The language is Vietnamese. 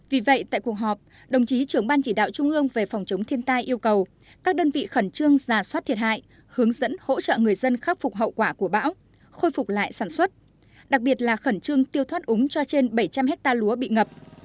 vì vậy tại cuộc họp đồng chí trưởng ban chỉ đạo trung ương về phòng chống thiên tai yêu cầu các đơn vị khẩn trương giả soát thiệt hại hướng dẫn hỗ trợ người dân khắc phục hậu quả của bão khôi phục lại sản xuất đặc biệt là khẩn trương tiêu thoát úng cho trên bảy trăm linh hectare lúa bị ngập